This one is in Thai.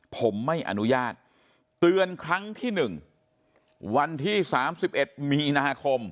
ผมไม่อนุญาตเตือนครั้งที่๑วันที่๓๑มีนาคม